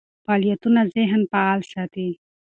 فعالیتونه ذهن فعال ساتي.